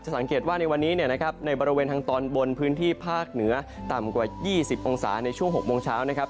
สังเกตว่าในวันนี้ในบริเวณทางตอนบนพื้นที่ภาคเหนือต่ำกว่า๒๐องศาในช่วง๖โมงเช้านะครับ